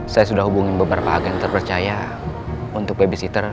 saya sudah hubungin beberapa agen terpercaya untuk babysitter